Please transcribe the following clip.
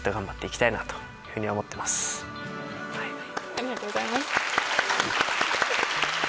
ありがとうございます。